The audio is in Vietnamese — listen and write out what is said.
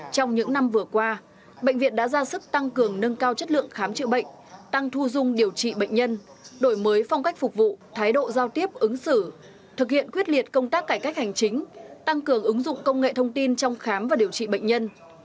trong những năm vừa qua bệnh viện đã ra sức tăng cường nâng cao chất lượng khám chữa bệnh tăng thu dung điều trị bệnh nhân đổi mới phong cách phục vụ thái độ giao tiếp ứng xử thực hiện quyết liệt công tác cải cách hành chính tăng cường ứng dụng công nghệ thông tin trong khám và điều trị bệnh nhân